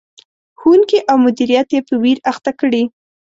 ښوونکي او مدیریت یې په ویر اخته کړي.